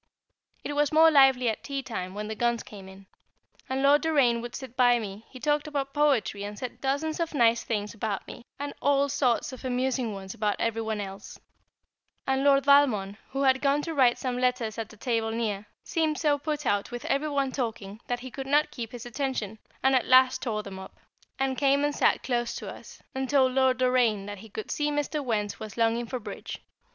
It was more lively at tea time, when the guns came in. And Lord Doraine would sit by me; he talked about poetry, and said dozens of nice things about me, and all sorts of amusing ones about every one else; and Lord Valmond, who had gone to write some letters at a table near, seemed so put out with every one talking, that he could not keep his attention, and at last tore them up, and came and sat close to us, and told Lord Doraine that he could see Mr. Wertz was longing for "Bridge."